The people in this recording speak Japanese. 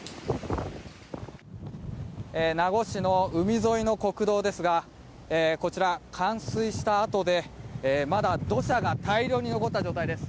名護市の海沿いの国道ですがこちら、冠水したあとでまだ土砂が大量に残った状態です。